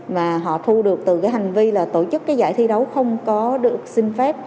mà họ thu được từ hành vi tổ chức giải thi đấu không có được xin phép